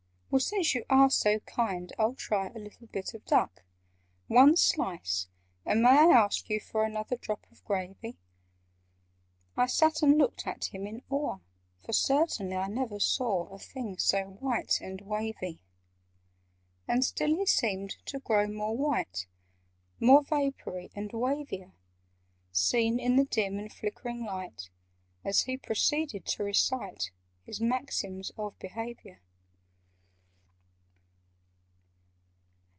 "Well, since you are so kind, I'll try A little bit of duck. "One slice! And may I ask you for Another drop of gravy?" I sat and looked at him in awe, For certainly I never saw A thing so white and wavy. And still he seemed to grow more white, More vapoury, and wavier— Seen in the dim and flickering light, As he proceeded to recite His "Maxims of Behaviour."